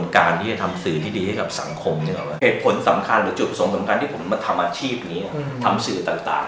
การทำสื่อดีแล้วอยู่ให้ได้ด้วยเนี่ย